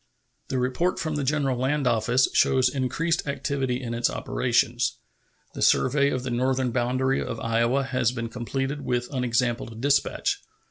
The report from the General Land Office shows increased activity in its operations. The survey of the northern boundary of Iowa has been completed with unexampled dispatch.